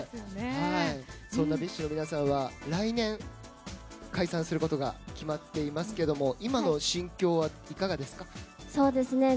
そんなＢｉＳＨの皆さんは来年解散することが決まっていますが今の心境はいかがですか？